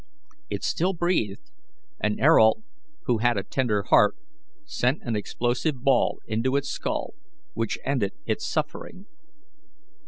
It still breathed, and Ayrault, who had a tender heart, sent an explosive ball into its skull, which ended its suffering.